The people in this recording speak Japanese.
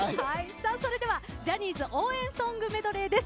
それではジャニーズ応援ソングメドレーです。